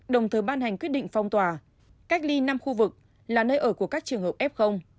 đồng thời ban hành quyết định phong tỏa cách ly năm khu vực là nơi ở của các trường hợp f